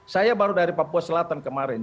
saya baru dari papua selatan kemarin